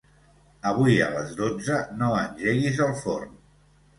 Avui a les dotze no engeguis el forn.